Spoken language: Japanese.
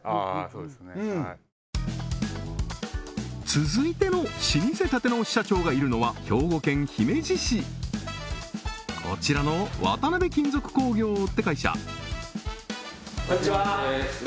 そうですねはい続いての老舗立て直し社長がいるのは兵庫県姫路市こちらの渡辺金属工業って会社こんにちは